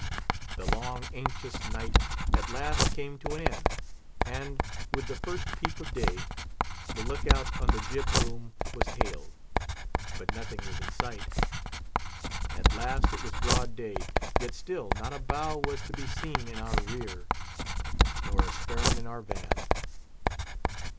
The long, anxious night at last came to an end, and, with the first peep of day, the look out on the jib boom was hailed; but nothing was in sight. At last it was broad day; yet still not a bow was to be seen in our rear, nor a stern in our van.